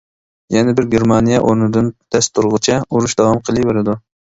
يەنە بىر گېرمانىيە ئورنىدىن دەست تۇرغۇچە، ئۇرۇش داۋام قىلىۋېرىدۇ.